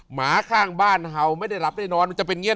หมาข้างบ้านเห่าไม่ได้หลับได้นอนมันจะเป็นเงียบ